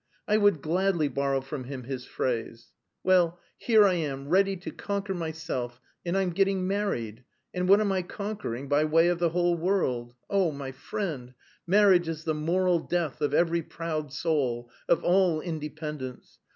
I would gladly borrow from him his phrase. Well, here I am ready to conquer myself, and I'm getting married. And what am I conquering by way of the whole world? Oh, my friend, marriage is the moral death of every proud soul, of all independence.